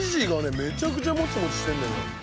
めちゃくちゃモチモチしてんだよね